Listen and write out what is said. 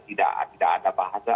tidak ada bahasa